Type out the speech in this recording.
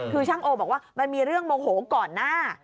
คือช่างโอบอกว่ามันมีเรื่องโมโหก่อนหน้า